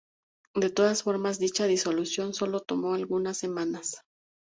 De todas formas dicha disolución solo tomó algunas semanas.